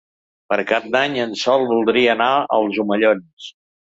Per Cap d'Any en Sol voldria anar als Omellons.